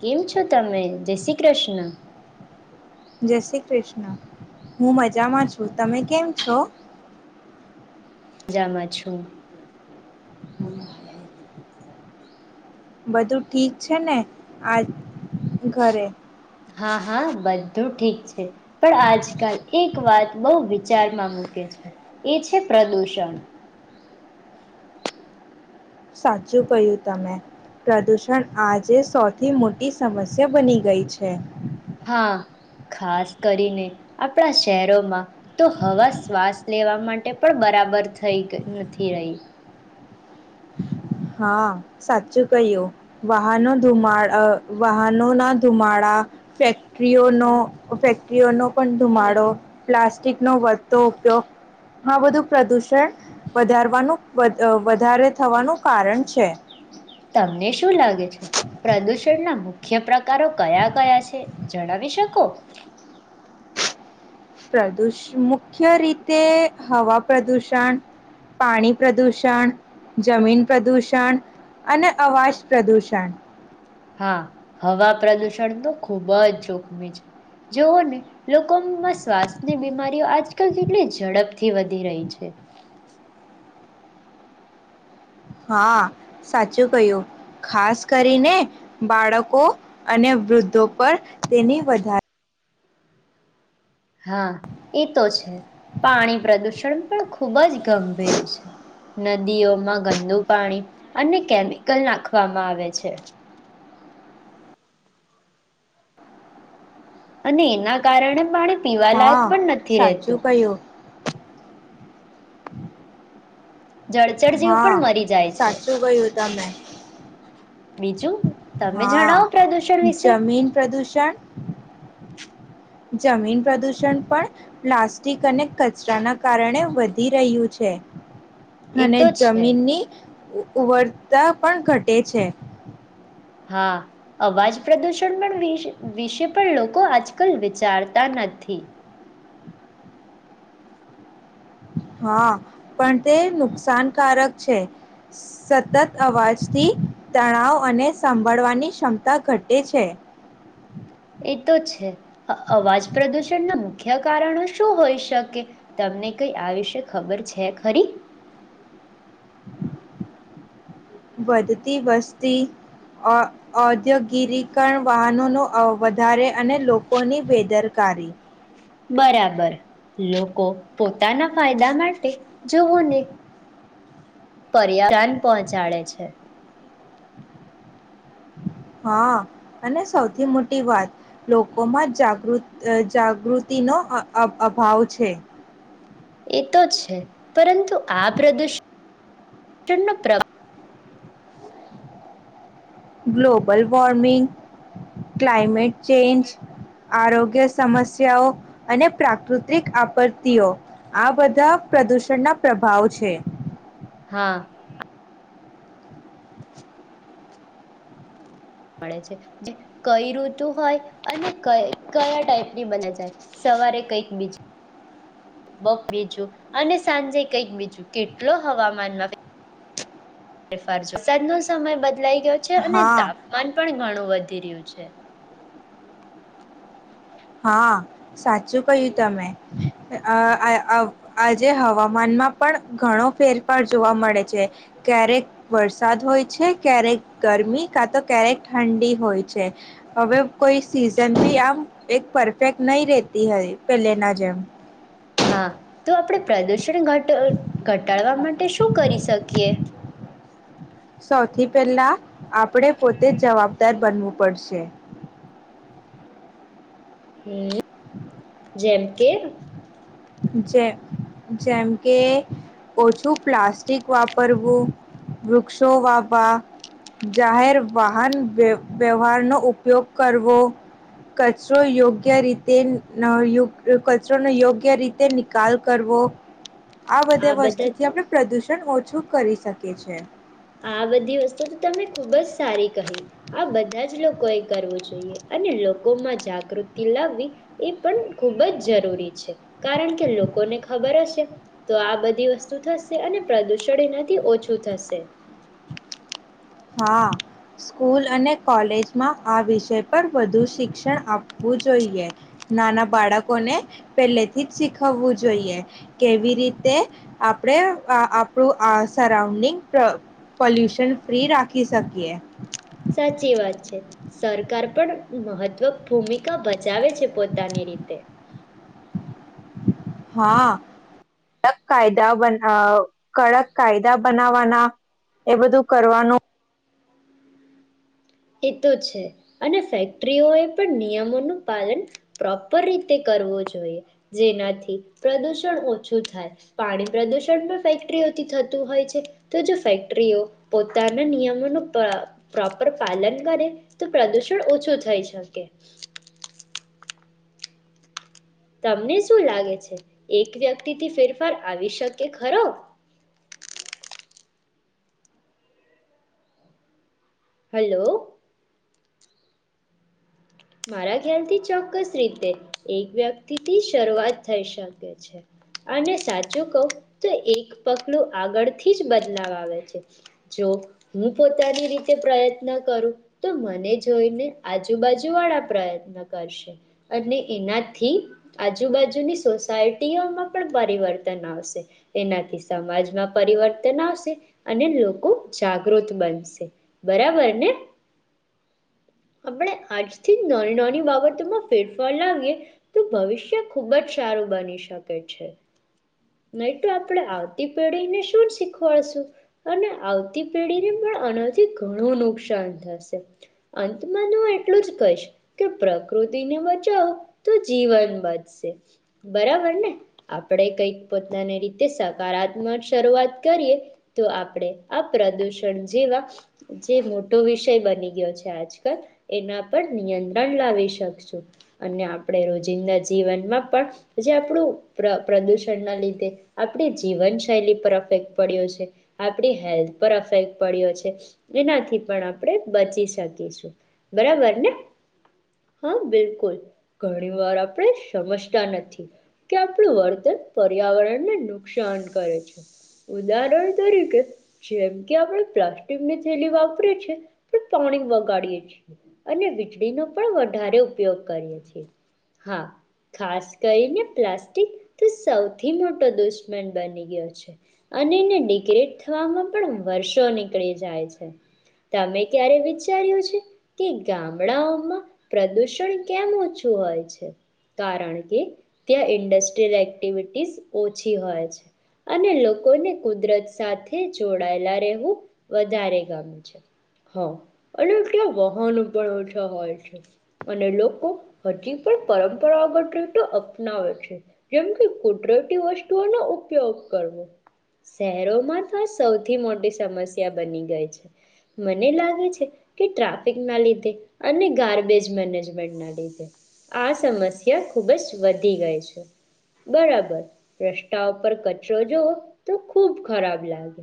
કેમ છો તમે જય શ્રી કૃષ્ણ. જય શ્રી કૃષ્ણ હું મજામાં છું તમે કેમ છો. જામાં છું. બધું ઠીક છે ને આ ઘરે. હા હા બધું ઠીક છે પણ આજકાલ એક વાત બહુ વિચારમાં મૂકે છે એ છે પ્રદુષણ. સાચું કય્યું તમે પ્રદુષણ આજે સૌથી મોટી સમસ્યા બની ગઈ છે. હા ખાસ કરીને આપણા શહેરોમાં તો હવા શ્વાસ લેવા માટે પણ બરાબર થઈ નથી રહી. હા સાચું કહ્યું વાહનો ધુમા અ વાહનો ના ધુમાડા ફેક્ટરીઓનો ફેક્ટરીઓનો પણ ધુમાડો પ્લાસ્ટિક નો વધતો ઉપયોગ આ બધું પ્રદુષણ વધારવાનું વધ અ વધારે થવાનું કારણ છે. તમને શું લાગે છે પ્રદુષણ ના મુ કેપ્ર કારો કયા-કયા છે? જણાવી શકો? પ્રદુષ મુખ્ય રીતે હવા પ્રદુષણ, પાણી પ્રદુષણ, જમીન પ્રદુષણ અને અવાજ પ્રદુષણ. હા હવા પ્રદુષણ તો ખૂબ જ જોખમી છે. જેઓને લોકોમાં શ્વાસની બીમારીઓ આજકાલ કેટલી ઝડપથી વધી રહી છે. હા સાચું કહ્યું. ખાસ કરીને બાળકો અને વૃદ્ધો પર તેની વધાર હા એ તો છે. પાણી પ્રદુષણ પણ ખૂબ જ ગંભીર છે. નદીઓમાં ગંદુ પાણી અને કેમિકલ નાખવામાં આવે છે. અને એના કારણે પાણી પીવાલાયક હા પણ નથી રેતુ. સાચું કહ્યું જળચર જીવ હા પણ મરી જાય છે. સાચું કહ્યું [inaudible] બીજું તમે હા, જણાવો પ્રદૂષણ વિશે જમીન પ્રદૂષણ જમીન પ્રદૂષણ પણ પ્લાસ્ટિક અને કચરાના કારણે વધી રહ્યું છે. એ અને તો છે જમીનની ઉપવરતા પણ ઘટે છે. હા અવાજ પ્રદુષણ પણ વિશ વિશે પણ લોકો આજકલ વિચારતા નથી. હા પણ તે નુકસાનકારક છે, સતત અવાજથી તણાવ અને સાંભળવાની ક્ષમતા ઘટે છે. એ તો છે, અ અવાજ પ્રદુષણ ના મુખ્ય કારણો શું હોઈ શકે, તમને કઈ આ વિશે ખબર છે ખરી? વધતી વસ્તી અહ અધ્યકિરીકણ વાહનો નો અ વધારે અને લોકોની બેદરકારી. બરાબર લોકો પોતાના ફાયદા માટે [unintelligible] પર્યા [unintelligible] પહોંચાડે છે. હા અને સૌથી મોટી વાત લોકોમાં જાગૃત જાગૃતિ નો અ અભાવ છે. એ તો છે, પરંતુ આ પ્રદુષણનો પ્ર ગ્લોબલ વોર્મિંગ, ક્લાઇમેટ ચેન્જ, આરોગ્ય ગ્ય સમસ્યાઓ અને પ્રાકૃતિક આપત્તિઓ, આ બધા પ્રદૂષણના પ્રભાવ છે. હા. મળે છે, જે કઈ ઋતુ હોય અને ક કયા ટાઈપની બને છે, સવારે કંઈક બીજું બપ બીજું અને સાંજે કંઈક બીજું, કેટલો હવામાનમાં ફેરફાર છે. સાંજનો સમય બદલાઈ ગયો છે અને હા, તાપમાન પણ ઘણું વધ ધી રહ્યું છે. હા સાચું કહ્યું તમે. અહ આ અહ આજે હવામાનમાં પણ ઘણો ફેરફાર જોવા મળે છે, ક્યારેક વરસાદ હોય છે, ક્યારેક ગરમી કા તો ક્યારેક ઠંડી હોય છે, હવે કોઈ સીઝન બી આમ એક પરફેક્ટ નહી રેતી હોય પહેલે ના જેમ. હા તો આપણે પ્રદુસ ણ ઘટ ઘટાડવા માટે શું કરી શકીએ? સૌથી પહેલા આપણે પોતે જવાબદાર બનવું પડશે. હમ્મ. જેમ કે? જેમ જેમ કે ઓછું પ્લાસ્ટિક વાપરવું, વૃક્ષો વાવવા, જાહેર વાહન વ્ય વ્યવહારનો ઉપયોગ કરવો, કચરો યોગ્ય રીતે ન યો કચરોને યોગ યોગ્ય રીતે નિકાલ કરવો. આ બધે બધા વસ્તુથી તો આપણે પ્રદુષણ છું કરી શકે છે. આ બધી વસ્તુ તો તમે ખુબ જ સારી. [unintelligible] આ બધા જ લોકો કોઈ કરવું જોઈએ અને લોકોમાં જાગૃતિ લાવવી એ પણ ખૂબ જ જરૂરી છે કારણ કે લોકોને ખબર હશે તો આ બધી વસ્તુ થશે અને પ્રદૂષણ એનાથી ઓછું થશે. હા સ્કૂલ અને કોલેજમાં આ વિષય પર વધુ શિક્ષણ આપવું જોઈએ નાના બાળકોને પહેલેથી જ શીખવવું જોઈએ કેવી રીતે આપણે આપણું અ સરાઉન્ડિંગ પોલ્યુશન ફ્રી રાખી શકીએ. સાચી વાત સરકાર પણ મહત્વ ભૂમિકા ભજાવે છે પોતાની રીતે. હા કડક કાયદા અ કડક કાયદા બનાવાના એ બધું કરવાનું. એ તો છે અને ફેક્ટરીઓ એ પણ નિયમોનું પાલન પ્રોપર રીતે કરવું જોઈએ જેનાથી પ્રદુષણ ઓછું થાય પાણી પ્રદુષણ પણ ફેક્ટરીઓથી થતું હોય છે તો જો ફેક્ટરીઓ પોતાના નિયમોનું પ્ર પ્રોપર પાલન કરે તો પ્રદુષણ ઓછું થઈ શકે. તમને શું લાગે છે એક વ્યક્તિથી ફેરફાર આવી શકે ખરો? હલો. મારા ખ્યાલથી ચોક્કસ રીતે એક વ્યક્તિથી શરૂઆત થઈ શકે છે અને સાચું કવ તો એક પગલું આગળથી જ બદલાવ આવે છે જો હું પોતાની રીતે પ્રયત્ન કરું તો મને જોઈને આજુબાજુ વાળા પ્રયત્ન કરશે અને એનાથી આજુબાજુની સોસાયટીઓમાં પણ પરિવર્તન આવશે એનાથી સમાજમાં પરિવર્તન આવશે અને લોકો જાગૃત બનશે બરાબર ને આપણે આ નાની નાની બાબતોમાં ફેરફાર લાવીએ તો ભવિષ્ય ખુબ જ સારું બની શકે છે નહી તો આપણે આવતી પેઢીને શું શીખવાડશું અને આવતી પેઢીને પણ આનાથી ઘણું નુકસાન થશે અંતમાંનું એટલું જ કે પ્રકૃતિને બચાવો તો જીવન બચશે બરાબર ને આપણે કઈક પોતાની રીતે સકારાત્મક શરૂઆત કરીએ તો આપણે આ પ્રદૂષણ જેવા જે મોટો વિષય બની ગયો છે આજકાલ એના પણ નિયંત્રણ લાવી શકશું અને આપણે રોજિંદા જીવનમાં પણ જે આપણું પ્રદૂષણના લીધે આપણી જીવન શૈલી પર અફેક્ટ પડ્યો છે આપણી હેલ્થ પર અફેક્ટ પડ્યો છે એનાથી પણ આપણે બચી શકીશું બરાબર. હા બિલકુલ ઘણી વાર આપણે સમજતા નથી કે આપણું વર્તન પર્યાવરણને નુકસાન કરે છે ઉદાહરણ તરીકે જેમ કે આપણે પ્લાસ્ટિકની થેલી વાપરી છેએ પણ પાણી વગાડીએ છીએ. અને વીજળીનો પણ વધારે ઉપયોગ કરીએ હા ખાસ કરીને પ્લાસ્ટિક તો સૌથી મોટો દુશ્મન બની ગયો છે અને એને ડિગ્રેડ થવામાં પણ વર્ષો નીકળી જાય છે તમે ક્યારે વિચાર્યું છે કે ગામડાઓમાં પ્રદૂષણ કેમ ઓછું હોય છે કારણ કે ત્યાં ઇન્ડસ્ટ્રીયલ એક્ટિવિટીસ ઓછી હોય છે અને લોકોને કુદરત સાથે જોડાયેલા રહેવું વધારે ગમે છે અને એટલુ વહન [unintelligible] અને લોકો હજી પણ પરંપરાગત રીતે અપનાવે છે જેમ કે કુદરતી વસ્તુઓનો ઉપયોગ કરવો શહેરોમાં તો આ સૌથી મોટી સમસ્યા બની ગઈ છે મને લાગે છે કે ટ્રાફિક ના લીધે આજે ગ્બેજ મેજમેન્ટ ના લીધે આ સમસ્યા ખુબ જ વધી ગઈ છે બરાબર રસ્તા ઉપર કચરો જોવો તો ખુબ ખરાબ લાગે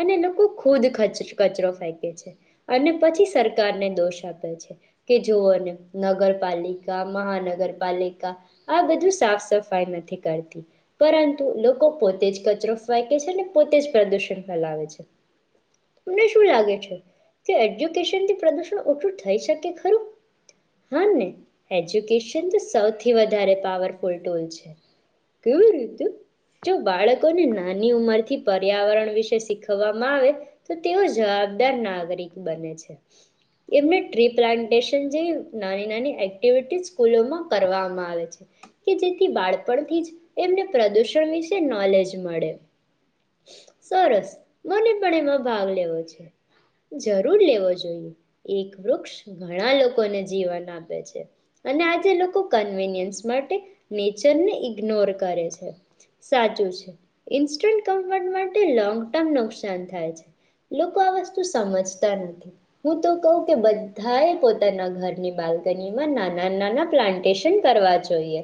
અને લોકો ખુદ કચરો ફેંકે છે અને પછી સરકારને દોષ આપે. કેઓને નગરપાલિકા મહાનગરપાલિકા આ બધું સાફ- સફાઈ નથી કરતી પરંતુ લોકો પોતે જ કચરો ફેકે છે ને પોતે જ પ્રદુષણ ફેલાવે છે તમને શું લાગે છે કે એજ્યુકેશનથી પ્રદુષણ ઓછું હા ને એજ્યુકેશન તો સૌથી વધારે પાવરફુલ ટોલ છે કેવી રીતે જો બાળકોને નાની ઉંમરથી પર્યાવરણ વિશે શીખવવામાં આવે તો તેઓ જવાબદાર નાગરિક બને છે એને ટ્રી પ્લાન્ટેશન જેવી નાની-નાની એક્ટિવિટી સ્કૂલોમાં કરવામાં આવે છે કે જેથી બાળપણથી જ એમને પ્રદુષણ વિશે નોલેજ મળે સરસ મને પણ એમાં ભાગ લેવો છે જરૂર લેવો જોઈએ એક વૃક્ષ ઘણા લોકોને જીવન આપે છે અને આજે લોકો કન્વીિનિયન્સ માટે નેચરને ઇગ્નોર કરે છે સાચું છે ઇન્સ્ટન્ટ કમફર્ટ માટે લોંગ ટર્મ નુકસાન થાય છે લોકો આ વસ્તુ સમજતા નથી હું તો કહું બધા પોતાના ઘરની બાલ્કનીમાં નાના- નાના પ્લાન્ટેશન કરવા જોઈએ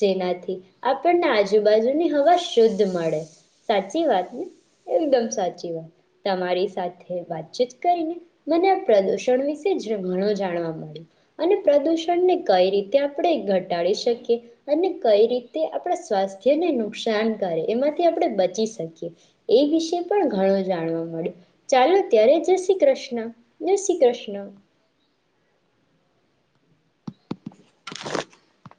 જેનાથી આપણને આજુબાજુની હવા શુદ્ધ મળે સાચી વાત ને એકદમ સાચી વાત તમારી સાથે વાતચીત કરીને મને આ પ્રદુષણ ઘણો જાણવા મળ્યું અને પ્રદૂષણને કંઈ રીતે આપણે ઘટાડી શકીએ અને કઈ રીતે આપણા સ્વાસ્થ્યને નુકસાન કરે એમાંથી આપણે બચી શકીએ એ વિશે પણ ઘણું જાણવા મળ્યું ચાલો ત્યારે જય શ્રી કૃષ્ણ જય શ્રી કૃષ્ણ. હલો. [inaudible]